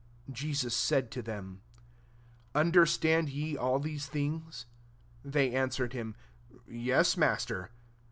*' 51 [Jeaua acUd to them^ " Understand ye all these things?" They answered him, "Yes [Master].'